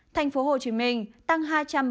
thành phố hồ chí minh tăng hai trăm bảy mươi hai